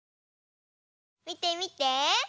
みてみて。